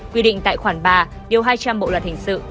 quy định tại khoảng ba hai trăm linh bộ luật hình sự